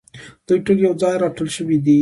دوی ټول یو ځای راټول شوي دي.